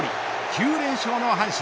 ９連勝の阪神。